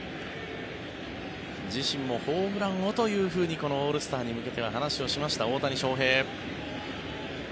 自身もホームランをとこのオールスターに向けては話をしました大谷翔平。